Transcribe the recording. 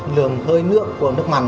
lượng hơi nước của nước mặt